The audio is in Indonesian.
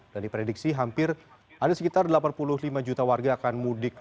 diprediksi hampir ada sekitar delapan puluh lima juta warga akan mudik